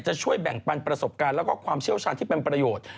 ช่วยแบ่งปันประสบการณ์แล้วก็ความเชี่ยวชาญที่เป็นประโยชน์